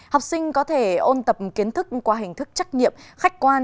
học sinh có thể ôn tập kiến thức qua hình thức trách nhiệm khách quan